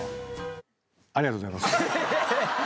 ありがとうございます。